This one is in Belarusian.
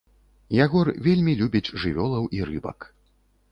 Ягор вельмі любіць жывёлаў і рыбак.